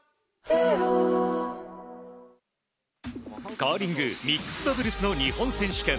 カーリングミックスダブルスの日本選手権。